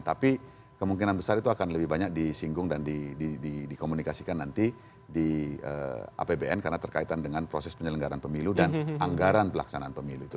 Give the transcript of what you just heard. tapi kemungkinan besar itu akan lebih banyak disinggung dan dikomunikasikan nanti di apbn karena terkaitan dengan proses penyelenggaran pemilu dan anggaran pelaksanaan pemilu itu